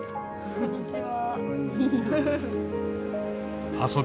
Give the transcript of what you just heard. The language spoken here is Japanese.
こんにちは。